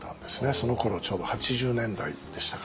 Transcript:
そのころちょうど８０年代でしたか。